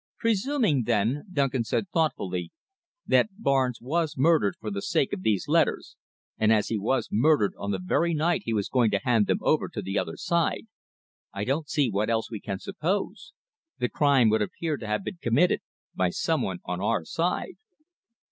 "Presuming, then," Duncan said thoughtfully, "that Barnes was murdered for the sake of these letters and as he was murdered on the very night he was going to hand them over to the other side, I don't see what else we can suppose, the crime would appear to have been committed by some one on our side."